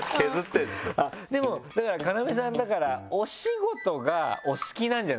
でもだから要さんだからお仕事がお好きなんじゃないですか？